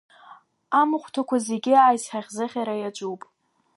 Амахәҭақәа зегьы аизҳазыӷьара иаҿуп.